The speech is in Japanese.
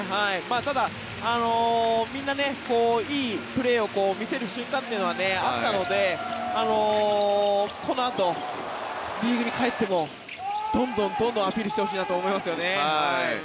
ただ、みんないいプレーを見せる瞬間というのはあったのでこのあとリーグに帰ってもどんどんアピールしてほしいなと思いますよね。